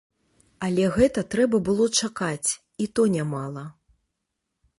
Але гэта трэба было чакаць, і то нямала.